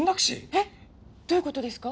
えっどういう事ですか？